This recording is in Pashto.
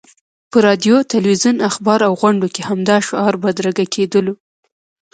په راډیو، تلویزیون، اخبار او غونډو کې همدا شعار بدرګه کېدلو.